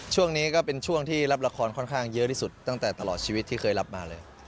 ช่วงนี้ก็เป็นช่วงที่รับละครค่อนข้างเยอะที่สุดตั้งแต่ตลอดชีวิตที่เคยรับมาเลย